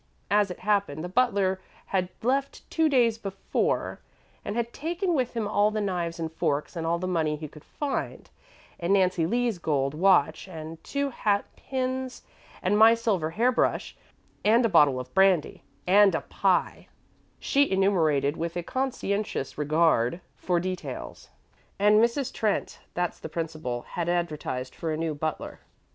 As it happened, the butler had left two days before, and had taken with him all the knives and forks, and all the money he could find, and Nancy Lee's gold watch and two hat pins, and my silver hair brush, and a bottle of brandy, and a pie," she enumerated with a conscientious regard for details; "and Mrs. Trent that's the principal had advertised for a new butler."